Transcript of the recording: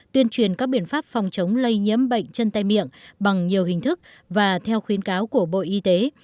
tuyên truyền các biện pháp phòng chống lây nhiễm bệnh chân tay miệng bằng nhiều hình thức và theo khuyến cáo của bộ y tế